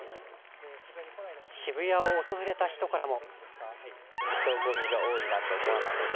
渋谷を訪れた人からも。